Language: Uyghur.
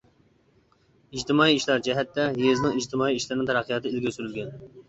ئىجتىمائىي ئىشلار جەھەتتە يېزىنىڭ ئىجتىمائىي ئىشلىرىنىڭ تەرەققىياتى ئىلگىرى سۈرۈلگەن.